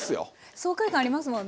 爽快感ありますもんね。